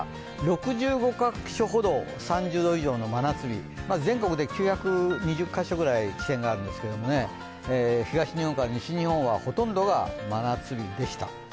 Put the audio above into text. ６５か所ほど、３０度以上の真夏日、全国で９２０か所ぐらい地点があるんですけど、東日本から西日本はほとんどが真夏日でした。